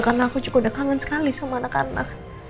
karena aku juga udah kangen sekali sama anak anak